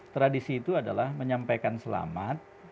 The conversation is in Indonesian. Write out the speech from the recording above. tradisi itu adalah menyampaikan selamat